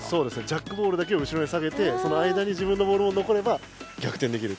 ジャックボールだけを後ろに下げてその間に自分のボールものこれば逆転できる。